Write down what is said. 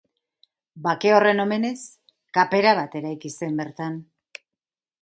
Bake horren omenez, kapera bat eraiki zen bertan.